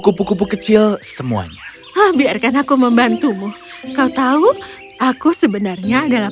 kupu kupu kecil semuanya biarkan aku membantumu kau tahu aku sebenarnya adalah